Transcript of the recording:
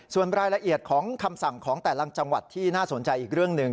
ส่วนรายละเอียดของคำสั่งของแต่ละจังหวัดที่น่าสนใจอีกเรื่องหนึ่ง